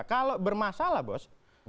kalau bermasalah bos